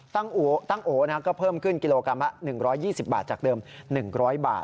ตั้งโอก็เพิ่มขึ้นกิโลกรัมละ๑๒๐บาทจากเดิม๑๐๐บาท